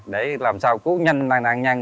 để làm sao cứu nhanh nặng nhanh